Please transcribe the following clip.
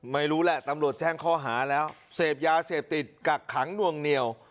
ไม่รู้แหละตำรวจแจ้งข้อหาแล้วเสพยาเสพติดกักขังนวงเหนียว